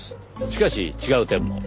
しかし違う点も。